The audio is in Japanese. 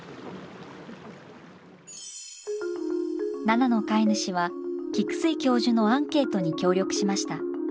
奈々の飼い主は菊水教授のアンケートに協力しました。